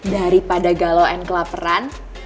daripada galauin kelaperan